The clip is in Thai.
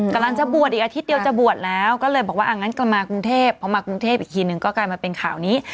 กำลังจะบวชอีกอาทิตย์เดียวจะบวชแล้วก็เลยบอกว่าอ่ะงั้นกลับมากรุงเทพพอมากรุงเทพอีกทีนึงก็กลายมาเป็นข่าวนี้